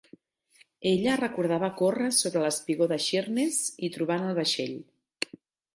Ella recordava córrer sobre l'espigó de Sheerness i trobant el vaixell.